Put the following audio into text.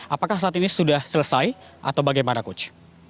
apakah saat ini sudah selesai atau bagaimana coach